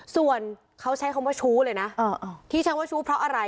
ส่วนเขาใช้คำว่าชู้เลยนะที่ใช้ว่าชู้เพราะอะไร